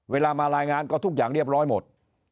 เวลามารายงานก็ทุกอย่างเรียบร้อยหมด